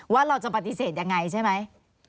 ว่าเราจะปฏิเสธยังไงใช่ไหม